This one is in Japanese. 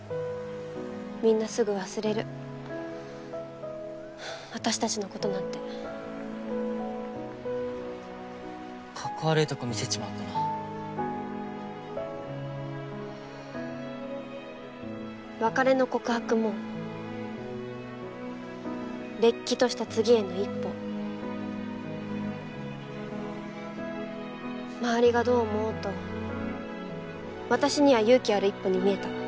みんなすぐ忘れる私たちのことなんて格好悪いとこ見せちまったな別れの告白もれっきとした次への一歩周りがどう思おうと私には勇気ある一歩に見えた